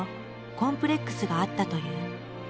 コンプレックスがあったという。